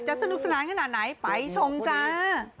สนุกสนานขนาดไหนไปชมจ้า